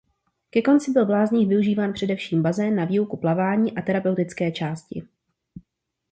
Ke konci byl v lázních využíván především bazén na výuku plavání a terapeutické části.